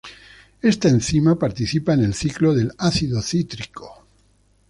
Esta enzima participa en el ciclo del ácido cítrico.